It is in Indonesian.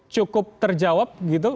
cukup terjawab gitu